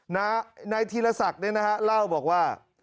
นายธีระสักเนี่ยนะคะเล่าบอกว่า